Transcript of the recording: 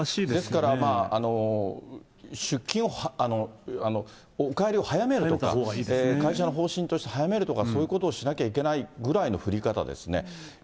ですからまあ、お帰りを早めるとか、会社の方針として、早めるとかそういうことをしなきゃいけないぐらいの降り方ですね。